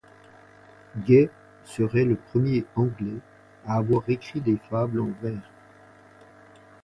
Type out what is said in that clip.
Gay serait le premier Anglais à avoir écrit des fables en vers.